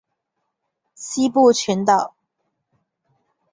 西部群岛。